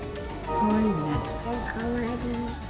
かわいい。